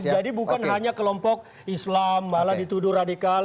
jadi bukan hanya kelompok islam malah dituduh radikal